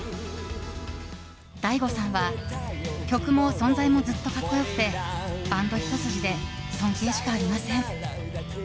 ＤＡＩＧＯさんは曲も存在もずっと格好良くてバンドひと筋で尊敬しかありません。